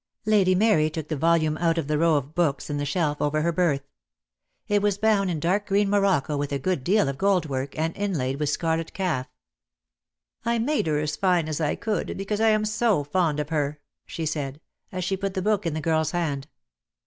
Lady Mary took the volume out of the row of books in the shelf over her berth. It was bound in DEAD LOVE HAS CHAINS. 21 dark green morocco, with a good deal of gold work, and inlaid with scarlet calf. "I made her as fine as I could, because I am so fond of her," she said, as she put the book in the girl's hand.